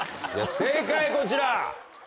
正解こちら。